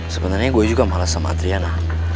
sebenernya gue juga males sama triana